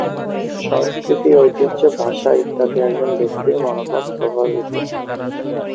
সংস্কৃতি, ঐতিহ্য, ভাষা, ইত্যাদি, একজন ব্যক্তির মনোভাব প্রভাবিত।